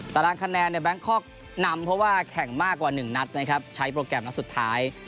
ตารางคะแนนเนี่ยแบงคอกนำเพราะว่าแข่งมากกว่า๑นัดนะครับใช้โปรแกรมนัดสุดท้าย